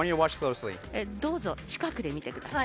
どうぞ、近くで見てください。